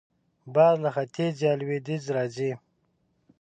باد له ختیځ یا لوېدیځه راځي